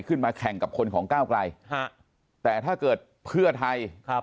ขึ้นมาแข่งกับคนของก้าวไกลฮะแต่ถ้าเกิดเพื่อไทยครับ